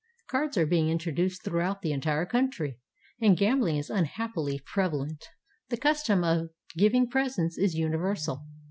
Cards are being introduced throughout the entire country, and gambling is unhappily prevalent. The custom of giving presents is universal.